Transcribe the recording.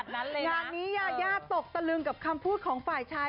งานนี้ยายาตกตะลึงกับคำพูดของฝ่ายชาย